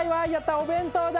「お弁当だ！